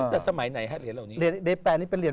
อ๋อตั้งแต่สมัยไหนฮะเหรียญเหล่านี้เหรียญอีแปะนี่เป็นเหรียญ